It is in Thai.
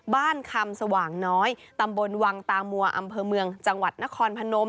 คำสว่างน้อยตำบลวังตามัวอำเภอเมืองจังหวัดนครพนม